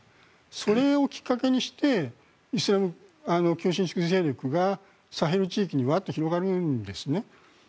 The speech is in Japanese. それをきっかけにしてイスラム急進主義勢力がサヘル地域にワーッと広がるんですね。